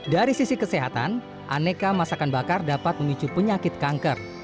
dari sisi kesehatan aneka masakan bakar dapat memicu penyakit kanker